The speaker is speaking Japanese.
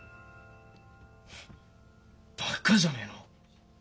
バッカじゃねえの。